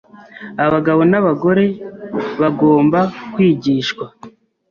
Abagabo n’abagore bagomba kwigishwa